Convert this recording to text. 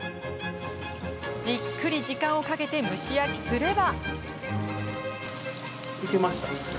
じっくり時間をかけて蒸し焼きすれば。